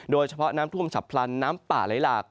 โดยเฉพาะน้ำท่วมฉับพลันน้ำป่าไหลหลาก